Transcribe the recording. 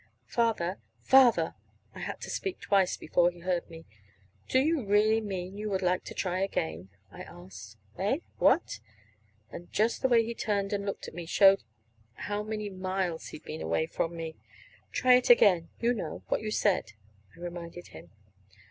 "Father. Father!" I had to speak twice, before he heard me. "Do you really mean that you would like to try again?" I asked. "Eh? What?" And just the way he turned and looked at me showed how many miles he'd been away from me. "Try it again, you know what you said," I reminded him.